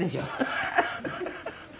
ハハハハ。